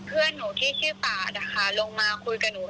เพื่อนหนูที่ชื่อปาดนะคะลงมาคุยกับหนู